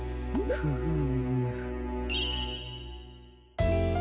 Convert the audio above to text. フーム。